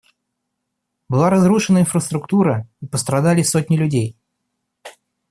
Была разрушена инфраструктура, и пострадали сотни людей.